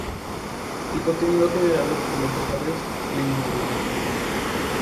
El contenido generado por los usuarios se eliminó de Yahoo!